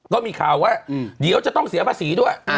ก็มีข่าวว่าเดี๋ยวจะต้องเสียภาษีด้วย